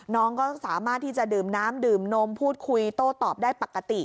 น้องก็สามารถที่จะดื่มน้ำดื่มนมพูดคุยโต้ตอบได้ปกติ